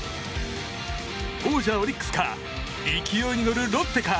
王者オリックスか勢いに乗るロッテか。